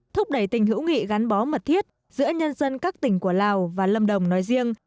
thúc đẩy tình hữu nghị gắn bó mật thiết giữa nhân dân các tỉnh của lào và lâm đồng nói riêng